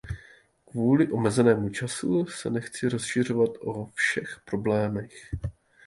Kvůli omezenému času se nechci rozšiřovat o všech problémech.